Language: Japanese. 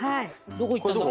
どこ行ったんだ？